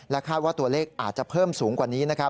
และคาดว่าตัวเลขอาจจะเพิ่มสูงกว่านี้